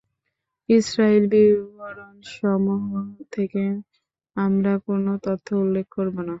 ইসরাঈলী বিবরণসমূহ থেকে আমরা কোন তথ্য উল্লেখ করব না।